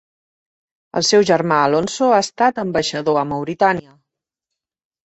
El seu germà Alonso ha estat ambaixador a Mauritània.